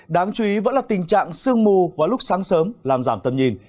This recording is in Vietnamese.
đáng chú ý vẫn là tình trạng sương mù vào lúc sáng sớm làm giảm tầm nhìn